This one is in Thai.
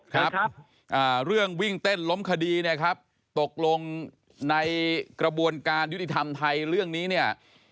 ครับเรื่องวิ่งเต้นล้มคดีเนี่ยครับตกลงในกระบวนการยุติธรรมไทยเรื่องนี้เนี่ย